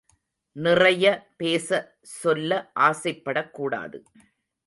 நிறைய பேச சொல்ல ஆசைப்படக்கூடாது.